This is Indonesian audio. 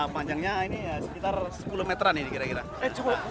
panjangnya ini sekitar sepuluh meteran ini kira kira